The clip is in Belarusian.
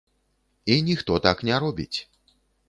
І ніхто так не робіць.